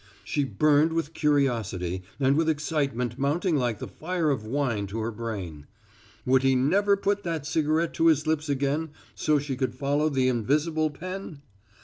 She burned with curiosity and with excitement mounting like the fire of wine to her brain. Would he never put that cigarette to his lips again, so she could follow the invisible pen!